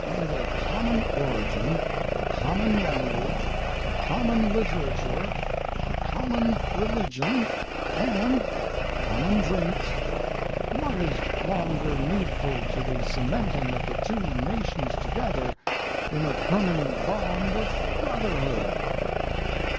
With a common origin, a common language, a common literature, a common religion, and—common drinks, what is longer needful to the cementing of the two nations together in a permanent bond of brotherhood?